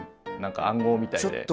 何か暗号みたいで。